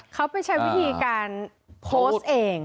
เขาไปใช้วิธีการโพสต์เอง